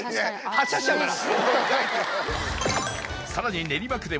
発車しちゃうから。